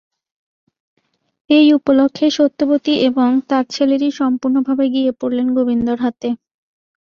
এই উপলক্ষে সত্যবতী এবং তার ছেলেটি সম্পূর্ণভাবে গিয়ে পড়লেন গোবিন্দর হাতে।